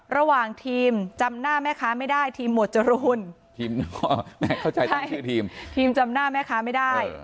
ระหว่างทีมจำหน้าไหมคะไม่ได้ทีมหมวดจรูนทีมจำหน้าไหมคะไม่ได้